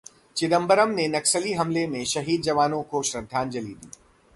चिदम्बरम ने नक्सली हमले में शहीद जवानों को श्रद्धांजलि दी